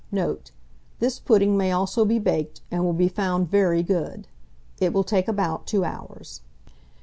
Note. This pudding may also be baked, and will be found very good. It will take about 2 hours.